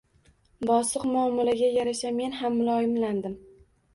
Bosiq muomalaga yarasha, men ham muloyimlandim: